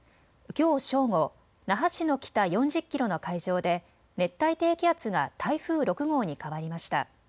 きょう正午、那覇市の北４０キロの海上で熱帯低気圧が台風６号に変わりました。